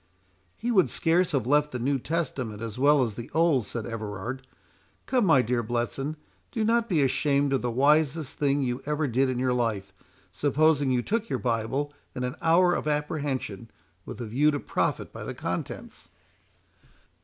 "He would scarce have left the New Testament as well as the Old," said Everard. "Come, my dear Bletson, do not be ashamed of the wisest thing you ever did in your life, supposing you took your Bible in an hour of apprehension, with a view to profit by the contents."